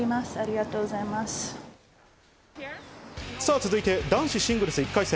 続いて男子シングルス１回戦。